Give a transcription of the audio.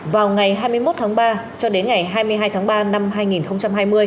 vào ngày hai mươi một tháng ba cho đến ngày hai mươi hai tháng ba năm hai nghìn hai mươi